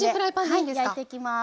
はい焼いていきます。